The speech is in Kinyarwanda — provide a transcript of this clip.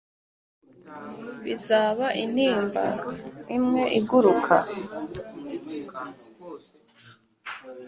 bizaba intimba imwe iguruka